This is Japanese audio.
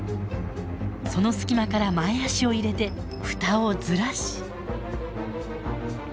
その隙間から前足を入れてフタをずらし。